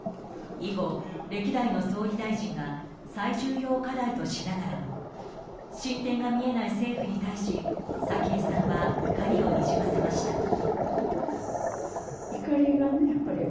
以後、歴代の総理大臣たちが最重要課題としながらも進展が見えない政府に対し早紀江さんは怒りをにじませました。